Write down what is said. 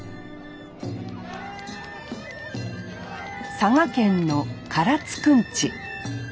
佐賀県の唐津くんち。